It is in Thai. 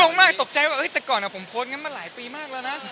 ผมงงมากตกใจว่าเกื้อก่อนผมโพสต์มาหลายปีมากแล้วนะ